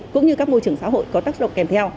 cũng như các môi trường xã hội có tác động kèm theo